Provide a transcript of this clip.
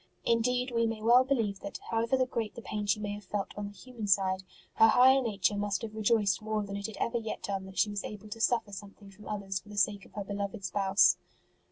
Indeed, we may well believe that, how ever great the pain she may have felt on the human side, her higher nature must have rejoiced more than it had ever yet done that she was able to suffer something from others for the sake of her beloved Spouse.